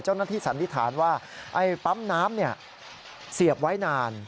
เจ้านักที่สันนิษฐานว่าไอ้ปั๊มน้ำเสียบไว้นาน